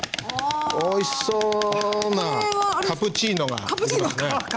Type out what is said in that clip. おいしそうなカプチーノが出来ますね。